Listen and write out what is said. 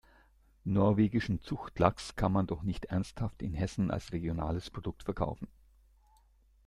Norwegischen Zuchtlachs kann man doch nicht ernsthaft in Hessen als regionales Produkt verkaufen!